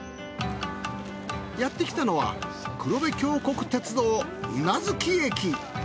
やってきたのは黒部峡谷鉄道宇奈月駅。